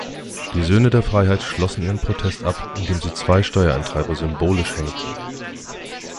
Die Söhne der Freiheit schlossen ihren Protest ab, indem sie zwei Steuereintreiber symbolisch hängten.